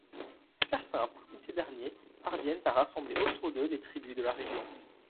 Certains parmi ces derniers parviennent à rassembler autour d'eux les tribus de la région.